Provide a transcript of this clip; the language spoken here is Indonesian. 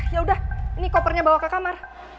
yaudah ini kopernya bawa ke kamar